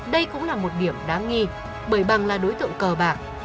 đây cũng là một điểm đáng nghi bởi bằng là đối tượng cờ bạc